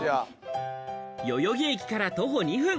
代々木駅から徒歩２分。